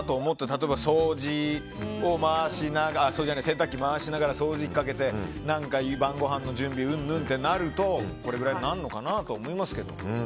例えば、洗濯機を回しながら掃除機かけて晩ごはんの準備うんぬんとなるとこれぐらいになるのかなと思いますけど。